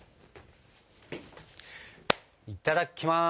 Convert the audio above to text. いただきます。